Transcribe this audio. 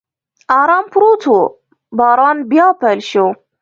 ارام پروت و، باران بیا پیل شو.